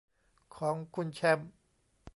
ของคุณแชมป์